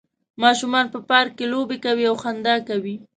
ماشومان په پارک کې لوبې کوي او خندا کوي